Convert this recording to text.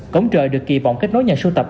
cổng trời được kỳ vọng kết nối nhà sưu tập